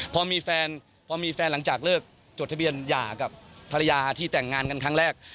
พอมีแฟนพอมีแฟนหลังจากเลิกจดทะเบียนหย่ากับภรรยาที่แต่งงานกันครั้งแรก